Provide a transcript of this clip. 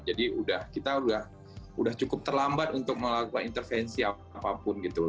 jadi kita sudah cukup terlambat untuk melakukan intervensi apapun gitu